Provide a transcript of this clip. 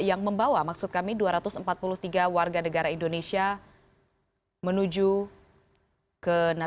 yang membawa maksud kami dua ratus empat puluh tiga warga negara indonesia menuju ke natuna